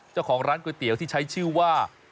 เจ้าของร้านก๋วยเตี๋ยวที่ใช้ชื่อว่า